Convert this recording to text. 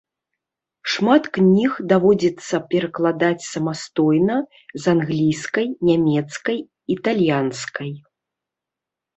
Шмат кніг даводзіцца перакладаць самастойна з англійскай, нямецкай, італьянскай.